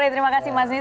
terima kasih mas nisan